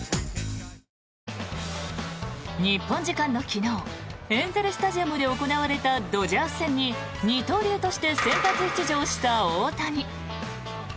日本時間の昨日エンゼル・スタジアムで行われたドジャース戦に二刀流として先発出場した大谷。